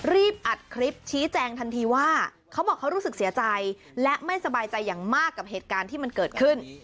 อัดคลิปชี้แจงทันทีว่าเขาบอกเขารู้สึกเสียใจและไม่สบายใจอย่างมากกับเหตุการณ์ที่มันเกิดขึ้น